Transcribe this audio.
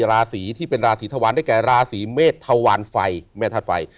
ราศีที่เป็นราศีธวารได้แก่ราศีเมษทวารไฟแม่ธาตุไฟ